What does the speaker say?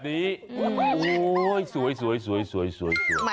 ที่นี่มันเสาครับ